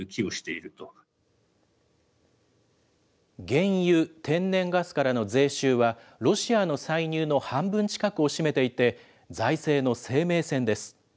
原油・天然ガスからの税収は、ロシアの歳入の半分近くを占めていて、財政の生命線です。